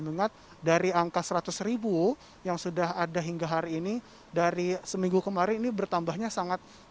mengingat dari angka seratus ribu yang sudah ada hingga hari ini dari seminggu kemarin ini bertambahnya sangat